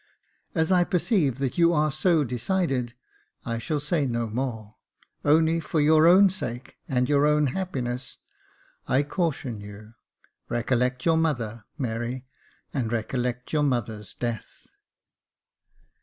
As I perceive that you are so decided, I shall say no more. Only for your own sake, and your own happiness, I caution you. Recollect your mother, Mary, and recollect your mother's death."